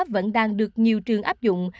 vẫn đang được nhiều trường áp dụng